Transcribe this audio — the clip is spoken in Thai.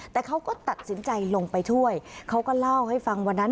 แต่เขาก็ตัดสินใจลงไปช่วยเขาก็เล่าให้ฟังวันนั้น